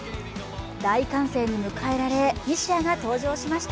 大歓声に迎えられ西矢が登場しました。